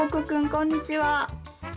こんにちは。